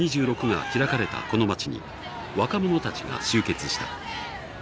ＣＯＰ２６が開かれたこの街に若者たちが集結した。